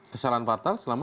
kesalahan fatal selama